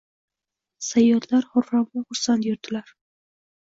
Sayyodlar hurramu xursand yurdilar